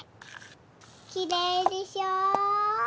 きれいでしょ？